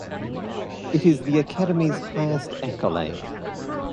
It is the Academy's highest accolade.